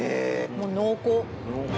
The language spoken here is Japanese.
もう濃厚。